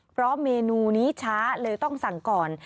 เพราะเมนูนี้ช้าเลยต้องสั่งก่อน